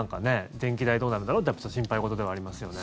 電気代どうなるんだろうってやっぱ心配事ではありますよね。